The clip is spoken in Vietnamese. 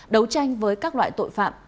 đấu tranh với các loại tội phạm